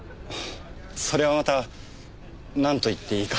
それはまたなんと言っていいか。